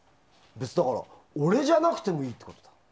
だから、俺じゃなくてもいいってことだ。